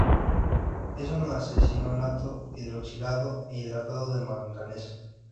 Es un arseniato hidroxilado e hidratado de manganeso.